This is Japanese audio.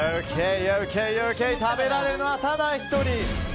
食べられるのはただ１人。